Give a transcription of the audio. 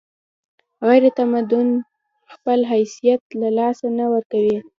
غیرتمند خپل حیثیت له لاسه نه ورکوي